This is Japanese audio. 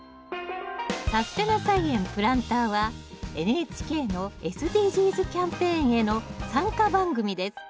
「さすてな菜園プランター」はＮＨＫのＳＤＧｓキャンペーンへの参加番組です。